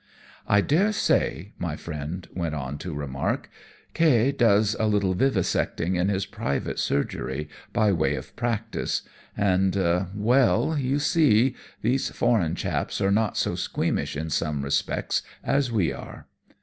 "'I dare say,' my friend went on to remark, 'K does a little vivisecting in his private surgery, by way of practice, and well, you see, these foreign chaps are not so squeamish in some respects as we are.'